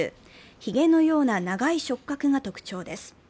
ひげのような長い触覚が特徴です。